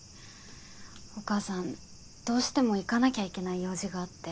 お母さんどうしても行かなきゃいけない用事があって。